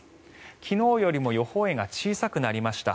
昨日よりも予報円が小さくなりました。